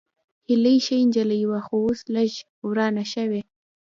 هېلۍ ښه نجلۍ وه، خو اوس لږ ورانه شوې